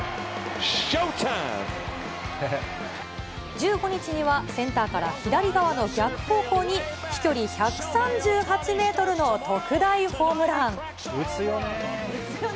１５日には、センターから左側の逆方向に飛距離１３８メートルの特大ホームラ打つよね。